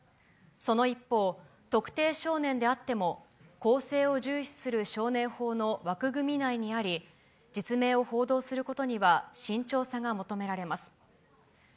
その一方、特定少年であっても、更生を重視する少年法の枠組み内にあり、実名を報道することには慎重さが求められます。